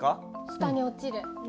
下に落ちる。